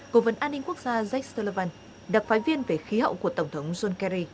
cổ vấn an ninh quốc gia jake sullivan đặc phái viên về khí hậu của tổng thống john kerry